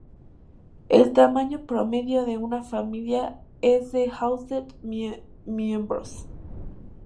El tamaño promedio de una familia es de household miembros.